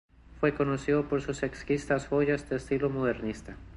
Fue conocido por sus exquisitas joyas de estilo modernista.